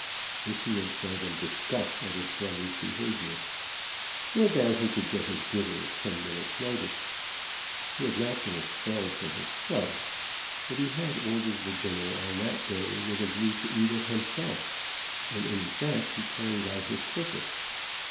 This he had said in disgust at his brother's behavior. No doubt he could get his dinner at ten minutes' notice. He had not been expelled from his club. But he had ordered the dinner on that day with a view to eat it himself, and in effect he carried out his purpose.